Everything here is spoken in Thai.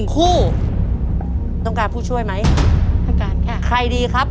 ๑คู่ต้องการผู้ช่วยมั้ย